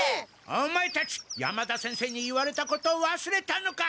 オマエたち山田先生に言われたことを忘れたのか！